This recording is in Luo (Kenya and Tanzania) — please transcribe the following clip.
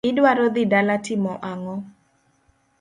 Idwaro dhi dala timo ang'o.